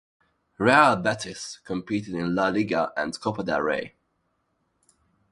Real Betis competed in La Liga and Copa del Rey.